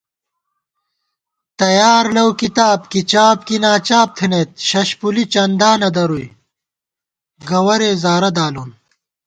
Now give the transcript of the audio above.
تیار لَؤ کِتاب، کی چاپ کی ناچاپ تھنَئیت ششپُلی چندا نَدَرُوئی گَوَرےزارہ دالون